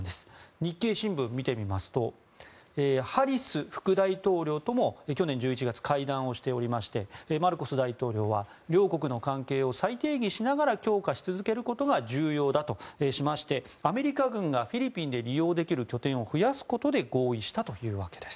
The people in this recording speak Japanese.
日経新聞を見てみますとハリス副大統領とも去年１１月会談をしておりましてマルコス大統領は両国の関係を再定義しながら強化し続けることが重要だとしましてアメリカ軍がフィリピンで利用できる拠点を増やすことで合意したということです。